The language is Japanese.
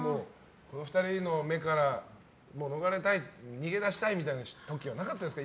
この２人の目から逃れたい、逃げ出したい時はなかったですか？